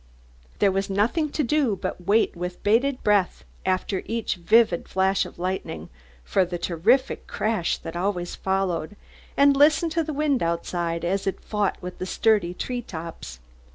There was nothing to do but wait with bated breath after each vivid flash of lightning for the terrific crash that always followed, and listen to the wind outside as it fought with the sturdy tree tops.